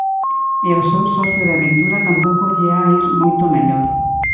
E ao seu socio de aventura tampouco lle ha ir moito mellor.